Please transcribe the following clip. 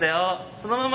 そのまま！